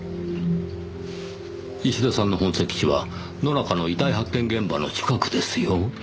石田さんの本籍地は野中の遺体発見現場の近くですよ。